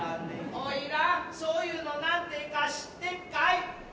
おいらんそういうの何て言うか知ってっかい？